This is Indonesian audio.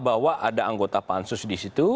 bahwa ada anggota pansus di situ